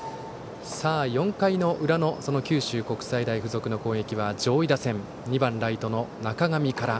４回裏の九州国際大付属の攻撃は上位打線、２番ライトの中上から。